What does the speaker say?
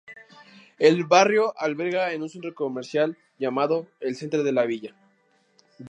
El barrio alberga un centro comercial llamado "El Centre de la Vila".